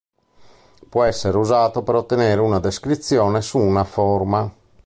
Può essere usato per ottenere una descrizione su una forma.